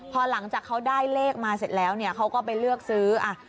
พอหลังจากเขาได้เลขมาเสร็จแล้วเนี่ยเขาก็ไปเลือกซื้อ